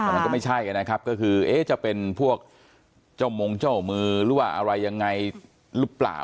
แต่มันก็ไม่ใช่นะครับก็คือเอ๊ะจะเป็นพวกเจ้ามงเจ้ามือหรือว่าอะไรยังไงหรือเปล่า